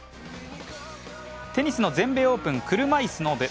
テニスの全米オープン車いすの部。